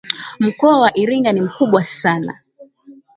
mkoa wa iringa ni mkubwa sana